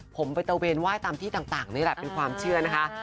ผมไปตะเวนไหว้ตามที่ต่างนี่แหละเป็นความเชื่อนะคะ